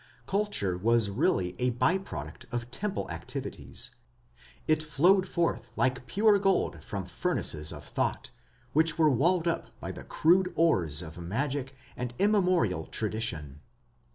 Culture was really a by product of temple activities; it flowed forth like pure gold from furnaces of thought which were walled up by the crude ores of magic and immemorial tradition.